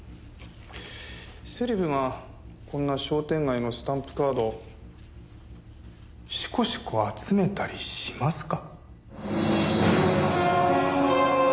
セレブがこんな商店街のスタンプカードしこしこ集めたりしますか？